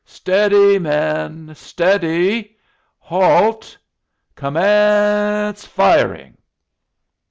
"Stead y, men stead y. Halt! Com mence fir ing."